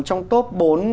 trong top bốn